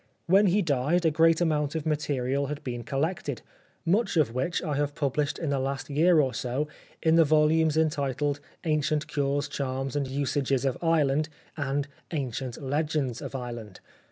When he died a great amount of material had been col lected, much of which I have published in the last year or so in the volumes entitled ' Ancient Cures, Charms and Usages of Ireland,' and ' Ancient Legends of Ireland.'